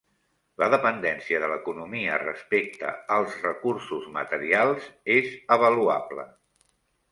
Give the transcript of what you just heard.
La dependència de l'economia respecte als recursos materials és avaluable.